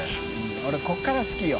Δ俺ここから好きよ。